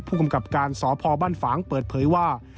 ผู้กำกับการสพบ้านฝางเปิดเผยว่า